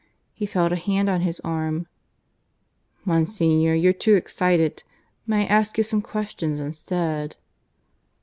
He felt a hand on his arm. "Monsignor, you're too excited. May I ask you some questions instead?"